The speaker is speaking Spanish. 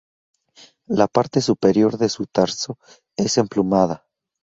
La parte superior de su tarso es emplumada.